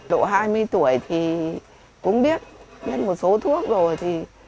độ hai mươi tuổi thì cũng biết biết một số thuốc rồi thì